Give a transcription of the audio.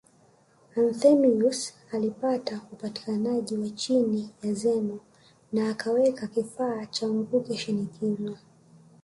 Anthemius alipata upatikanaji wa chini ya Zeno na akaweka kifaa cha mvuke shinikizo